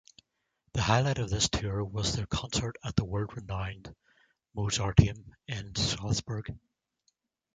The highlight of this tour was their concert at the world-renowned Mozarteum in Salzburg.